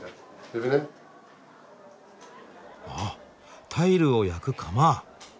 あタイルを焼く窯。